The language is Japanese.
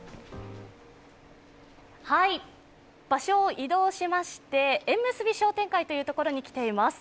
場所を移動しまして、縁結び商店会というところに来ています。